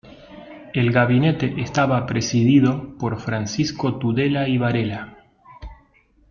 El gabinete estaba presidido por Francisco Tudela y Varela.